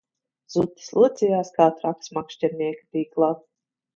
Zutis locījās kā traks makšķernieka tīklā